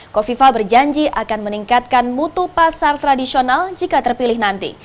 kofifa berjanji akan meningkatkan mutu pasar tradisional jika terpilih nanti